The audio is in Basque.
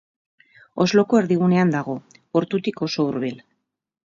Osloko erdigunean dago, portutik oso hurbil.